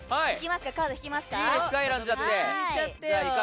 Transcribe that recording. カード引きますか。